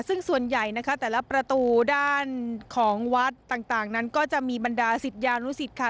ซึ่งส่วนใหญ่นะคะแต่ละประตูด้านของวัดต่างนั้นก็จะมีบรรดาศิษยานุสิตค่ะ